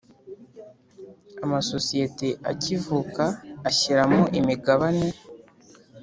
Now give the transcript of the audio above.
amasosiyeti akivuka ashyiramo imigabane